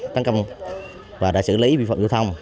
tăng cường và đã xử lý vi phạm giao thông